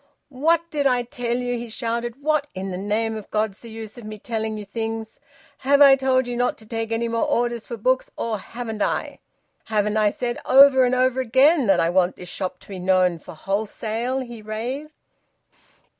"What did I tell ye?" he shouted. "What in the name of God's the use o' me telling ye things? Have I told ye not to take any more orders for books, or haven't I? Haven't I said over and over again that I want this shop to be known for wholesale?" He raved.